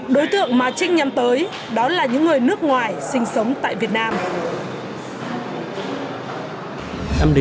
đối tượng mà trinh nhằm tới đó là những người nước ngoài sinh sống tại việt nam